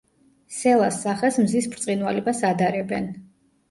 სელას სახეს მზის ბრწყინვალებას ადარებენ.